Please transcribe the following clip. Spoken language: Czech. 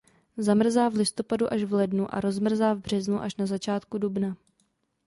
Zamrzá v listopadu až v lednu a rozmrzá v březnu až na začátku dubna.